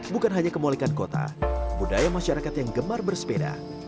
bukan hanya kemolikan kota budaya masyarakat yang gemar bersepeda